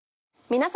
皆様。